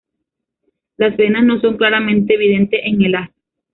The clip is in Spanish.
Las venas no son claramente evidente en el haz.